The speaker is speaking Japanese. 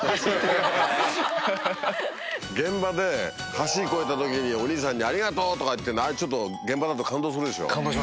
橋越えた時にお兄さんに「ありがとう！」とかって現場だと感動するでしょ？